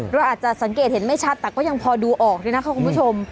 เราอาจจะสังเกตเห็นไม่ชัดแต่ก็ยังพอดูออกด้วยนะคะคุณผู้ชม